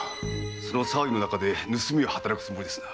その騒ぎの中で盗みを働くつもりですな。